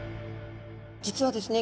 実はですね